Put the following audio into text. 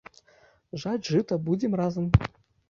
Жаць жыта будзем разам.